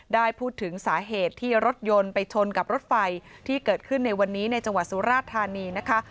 ได้พูดถึงสาเหตุที่รถยนต์ไปชนกับรถไฟที่เกิดขึ้นในวันนี้ในจังหวัดสุราชธานีนะคะ